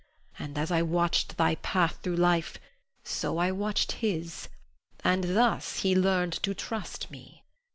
And as I watched thy path through life so I watched his, and thus he learned to trust me.